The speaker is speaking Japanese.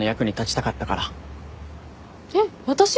えっ私？